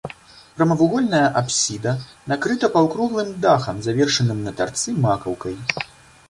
Прамавугольная апсіда накрыта паўкруглым дахам, завершаным на тарцы макаўкай.